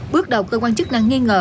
bước đầu cơ quan chức năng nghi ngờ